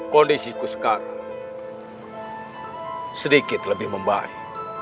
kondisiku sekarang sedikit lebih membaik